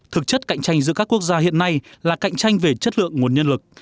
thực chất cạnh tranh giữa các quốc gia hiện nay là cạnh tranh về chất lượng nguồn nhân lực